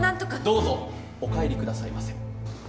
どうぞお帰りくださいませ。